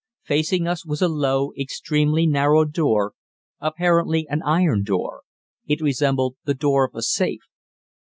Facing us was a low, extremely narrow door, apparently an iron door it resembled the door of a safe.